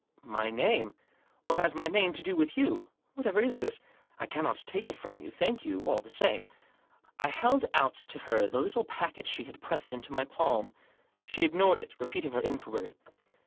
u My name ? What has my name to do with you ? Whatever is this? I cannot take it from you ; thank you all the same." I held out to her the little packet she had pressed into my palm. She ignored it ; repeating her inquiry.